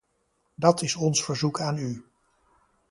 Dat is ons verzoek aan u.